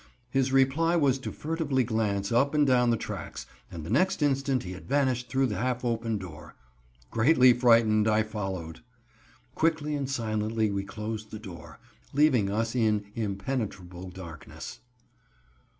His reply was to furtively glance up and down the tracks, and the next instant he had vanished through the half open door. Greatly frightened, I followed. Quickly and silently we closed the door, leaving us in impenetrable darkness.